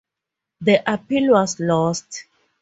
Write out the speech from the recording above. The appeal was lost.